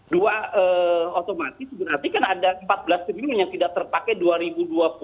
dua otomatis berarti kan ada empat belas triliun yang tidak terpakai dua ribu dua puluh